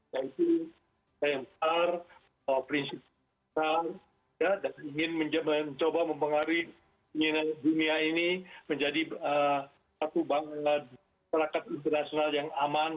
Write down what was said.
yaitu pr prinsip besar dan ingin mencoba mempengaruhi dunia ini menjadi satu bangsa perangkat internasional yang aman